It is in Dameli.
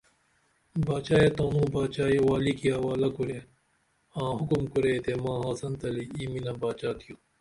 باچائے تانو باچائی والی کی اوالہ کُرے آں حکم کُرے تے ما آڅین تلی ای مینہ باچا تھیو